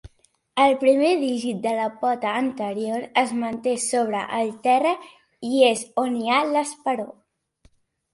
El primer dígit de la pota anterior es manté sobre el terra i és on hi ha l'esperó.